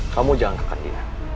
kamu jangan kekan dia